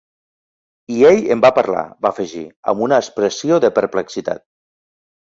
"I ell em va parlar", va afegir, amb una expressió de perplexitat.